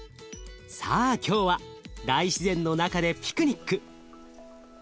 さあ今日は大自然の中でピクニック。